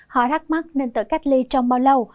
họ thắc mắc nên tự cách ly trong bao lâu